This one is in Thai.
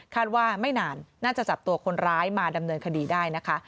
ว่าไม่นานน่าจะจับตัวคนร้ายมาดำเนินคดีได้นะคะ